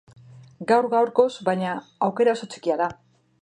Gaur gaurkoz, baina, aukera oso txikia da.